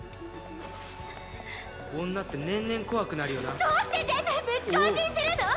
女って年々怖くなるよなどうして全部ぶち壊しにするの！？